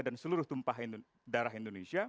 dan seluruh tumpah darah indonesia